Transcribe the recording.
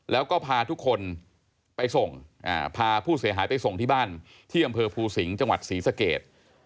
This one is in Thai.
แล้วก็พาทุกคนไปส่งพาผู้เสียหายไปส่งที่บ้านที่อำเภอภูสิงห์จังหวัดศรีสเกต